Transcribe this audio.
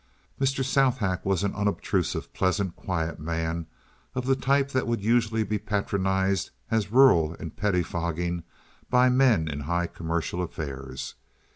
Mr. Southack was an unobtrusive, pleasant, quiet man of the type that would usually be patronized as rural and pettifogging by men high in commercial affairs.